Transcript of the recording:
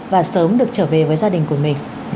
và sớm được trở về với gia đình của mình